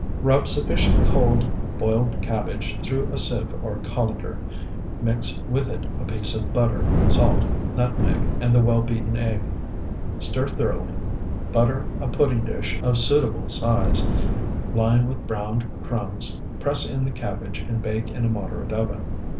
Rub sufficient cold, boiled cabbage through a sieve or colander. Mix with it a piece of butter, salt, nutmeg, and the well beaten egg. Stir thoroughly; butter a pudding dish of suitable size, line with browned crumbs, press in the cabbage, and bake in a moderate oven.